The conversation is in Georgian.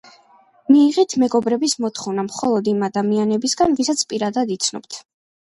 მიიღეთ მეგობრების მოთხოვნა მხოლოდ, იმ ადამიანებისგან, ვისაც პირადად იცნობთ.